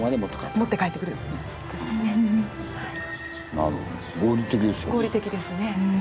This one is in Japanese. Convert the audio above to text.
なるほど合理的ですよね。